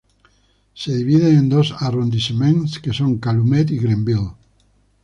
Se divide en dos arrondissements que son Calumet y Grenville.